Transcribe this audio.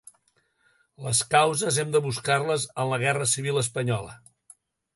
Les causes hem de buscar-les en la Guerra Civil Espanyola.